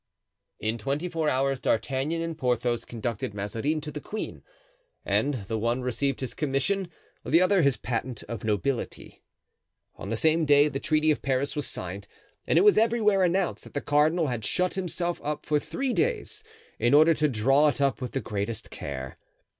In twenty four hours D'Artagnan and Porthos conducted Mazarin to the queen; and the one received his commission, the other his patent of nobility. On the same day the Treaty of Paris was signed, and it was everywhere announced that the cardinal had shut himself up for three days in order to draw it up with the greatest care.